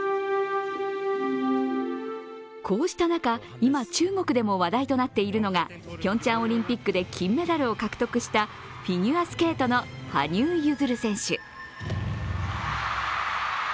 こうした中、今、中国でも話題となっているのがピョンチャンオリンピックで金メダルを獲得したフィギュアスケートの羽生結弦選手。